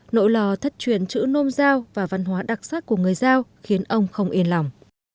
nỗi lò thất truyền chữ nôm giao và văn hóa đặc sắc của người giao khiến ông không yên lòng